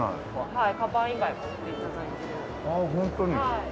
はい。